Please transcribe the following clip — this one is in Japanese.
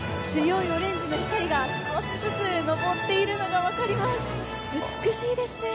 強いオレンジの光が少しずつ昇っているのが分かります。